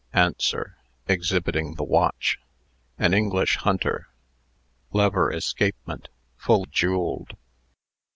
ANSWER (exhibiting the watch). "An English hunter lever escapement full jewelled."